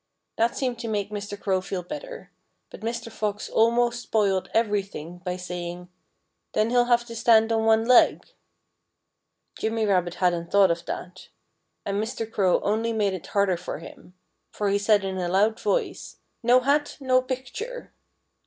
That seemed to make Mr. Crow feel better. But Mr. Fox almost spoiled everything by saying, "Then he'll have to stand on one leg." Jimmy Rabbit hadn't thought of that. And Mr. Crow only made it harder for him. For he said in a loud voice, "No hat, no picture!"